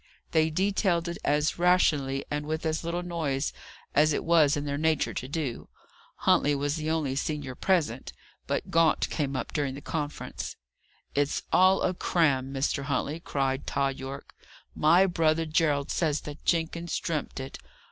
They detailed it as rationally and with as little noise as it was in their nature to do. Huntley was the only senior present, but Gaunt came up during the conference. "It's all a cram, Mr. Huntley," cried Tod Yorke. "My brother Gerald says that Jenkins dreamt it."